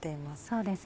そうですね。